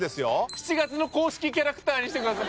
７月の公式キャラクターにしてください。